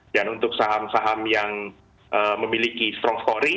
dan untuk saham saham yang memiliki strong story